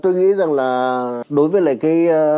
tôi nghĩ rằng là đối với lại cái